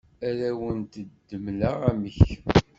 Ad awent-d-mleɣ amek.